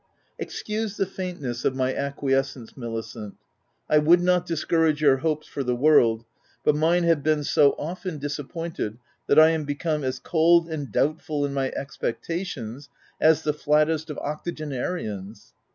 " Excuse the faintness of my acquiescence, Milicent ; I would not discourage your hopes for the world, but mine have been so often dis appointed, that I am become as cold and doubt ful in my expectations as the flattest of octo genarians."